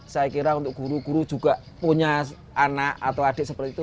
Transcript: saya kira untuk guru guru juga punya anak atau adik seperti itu